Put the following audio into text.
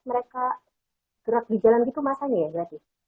mereka gerak di jalan gitu masanya ya gratis